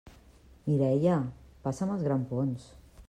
Mireia, passa'm els grampons!